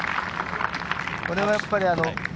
これはやっぱり。